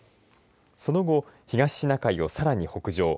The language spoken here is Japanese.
その後、東シナ海をさらに北上。